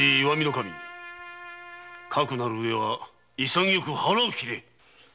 守かくなるうえは潔く腹を切れ！